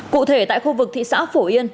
cụ thể tại khu vực thị xã phổ yên